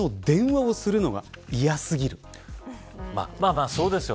まあそうですよ。